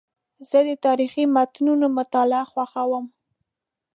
زه د تاریخي متونو مطالعه خوښوم.